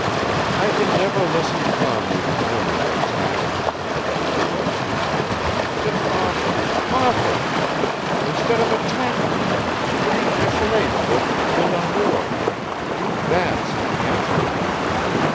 "I can never listen calmly when women are attacked," went on Evdoksya. "It's awful, awful. Instead of attacking them you should read Michelet's book De l'Amour! That's something exquisite!